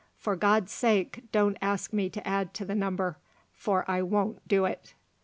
For God's sake, don't ask me to add to the number, for I won't do it."